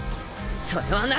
それはな